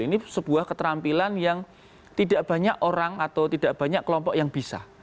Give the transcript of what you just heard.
ini sebuah keterampilan yang tidak banyak orang atau tidak banyak kelompok yang bisa